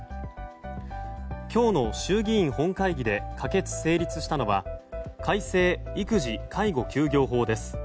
今日の衆議院本会議で可決・成立したのは改正育児・介護休業法です。